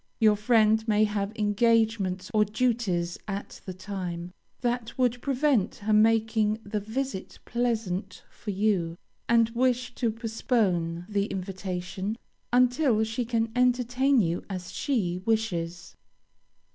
Your friend may have engagements or duties at the time, that would prevent her making the visit pleasant for you, and wish to postpone the invitation until she can entertain you as she wishes.